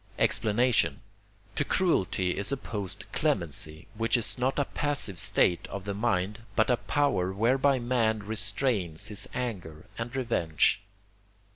Explanation To cruelty is opposed clemency, which is not a passive state of the mind, but a power whereby man restrains his anger and revenge.